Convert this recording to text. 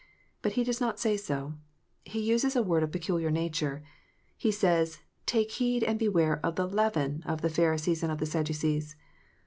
But He does not say so : He uses a word of a peculiar nature. He says, " Take heed and beware of the leaven of the Pharisees and of the Sadducees."